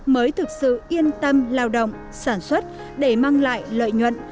mới thực sự yên tâm lao động sản xuất để mang lại lợi nhuận